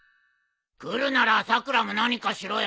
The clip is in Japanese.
来るならさくらも何かしろよ。